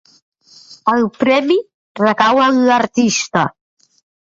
El premi recau en l'artista.